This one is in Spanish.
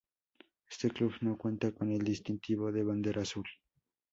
Este club no cuenta con el distintivo de Bandera Azul.